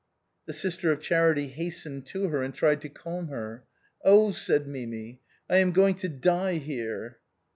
The sister of charity hastened to her and tried to calm her. " Oh !" said Mimi, " I am going to die here."